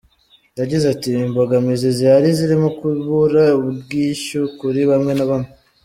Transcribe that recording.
Yagize ati “Imbogamizi zihari zirimo kubura ubwishyu kuri bamwe na bamwe.